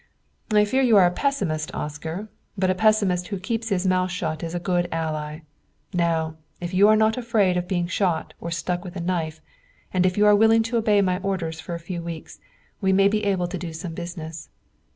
"I fear you are a pessimist, Oscar; but a pessimist who keeps his mouth shut is a good ally. Now, if you are not afraid of being shot or struck with a knife, and if you are willing to obey my orders for a few weeks we may be able to do some business.